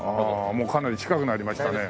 もうかなり近くなりましたね。